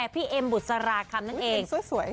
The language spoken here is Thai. พี่เอ็มบุษลาฯคำนั้นเองสวย